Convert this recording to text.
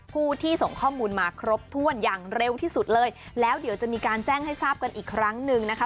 ผู้ที่ส่งข้อมูลมาครบถ้วนอย่างเร็วที่สุดเลยแล้วเดี๋ยวจะมีการแจ้งให้ทราบกันอีกครั้งหนึ่งนะคะ